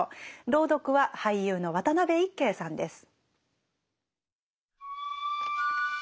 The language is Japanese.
朗読は俳優の渡辺いっけいさんです。